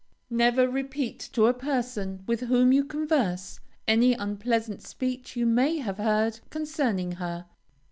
Never repeat to a person with whom you converse, any unpleasant speech you may have heard concerning her.